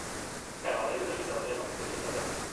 Ma'am, আমাদের ভিতরে যেতে হবে এবং ভিতরে যেতে হবে এখনই।